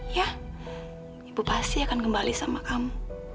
ya ibu pasti akan kembali sama kamu